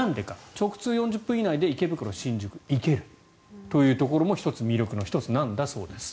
直通４０分以内で池袋、新宿に行けるというところも魅力の１つなんだそうです。